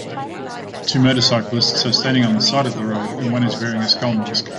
Two motorcyclists are standing on the side of the road and one is wearing a skull mask.